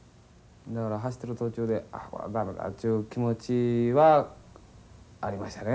だから走ってる途中でああこれは駄目だっちゅう気持ちはありましたね。